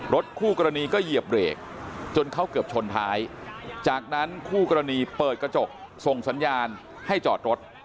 คู่กรณีก็เหยียบเบรกจนเขาเกือบชนท้ายจากนั้นคู่กรณีเปิดกระจกส่งสัญญาณให้จอดรถ